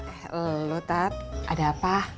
eh lu tat ada apa